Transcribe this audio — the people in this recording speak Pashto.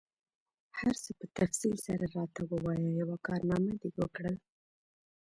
هر څه په تفصیل سره راته ووایه، یوه کارنامه دي وکړل؟